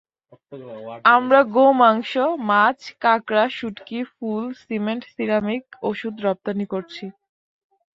আমরা গো-মাংস, মাছ, কাঁকড়া, শুঁটকি, ফুল, সিমেন্ট, সিরামিক, ওষুধ রপ্তানি করছি।